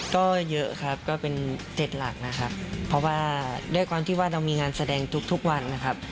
ก็เยอะครับก็เป็น๗หลักนะครับเพราะว่าด้วยความที่ว่าเรามีงานแสดงทุกวันนะครับ